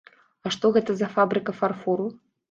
А што гэта за фабрыка фарфору?